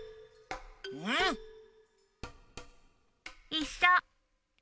いっしょ！